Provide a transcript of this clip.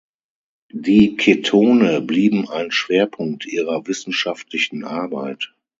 Die Ketone blieben ein Schwerpunkt ihrer wissenschaftlichen Arbeit.